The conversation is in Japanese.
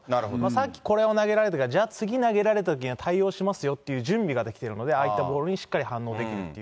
さっきこれを投げられたから、じゃあ、次投げられたときには対応しますよという準備ができてるので、ああいったボールにしっかり反応できると。